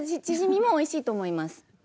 チヂミもおいしいと思います。